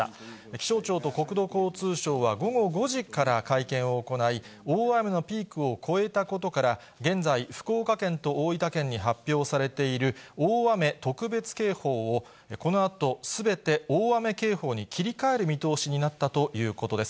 気象庁と国土交通省は午後５時から会見を行い、大雨のピークを超えたことから、現在、福岡県と大分県に発表されている大雨特別警報をこのあとすべて大雨警報に切り替える見通しになったということです。